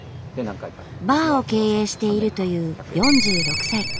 バーを経営しているという４６歳。